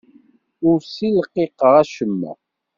Ur ssilqiqeɣ acemma.